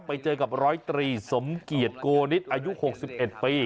ไปเจอกับร้อยตรีสมเกียจโกนิตอายุ๖๑ปี